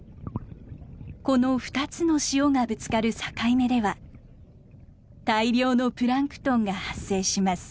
この２つの潮がぶつかる境目では大量のプランクトンが発生します。